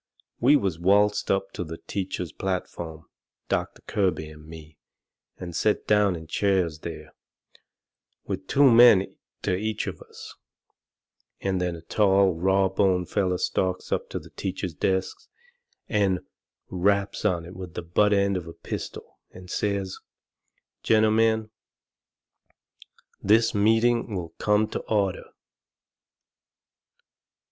We was waltzed up onto the teacher's platform, Doctor Kirby and me, and set down in chairs there, with two men to each of us, and then a tall, rawboned feller stalks up to the teacher's desk, and raps on it with the butt end of a pistol, and says: "Gentlemen, this meeting will come to order."